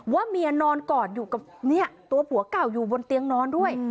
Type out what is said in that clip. ว่าเมียนอนกอดอยู่กับตัวผัวเก่าอยู่บนเตียงนอนด้วย